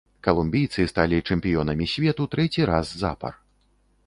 Калумбійцы сталі чэмпіёнамі свету трэці раз запар.